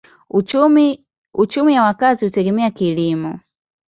Uchumi ya wakazi hutegemea kilimo.